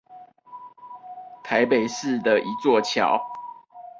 台北市的一座橋